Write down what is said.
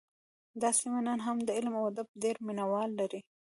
دا سیمه نن هم د علم او ادب ډېر مینه وال لري